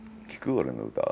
俺の歌。